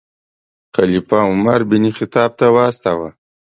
خلیفه عمر بن خطاب ته واستاوه.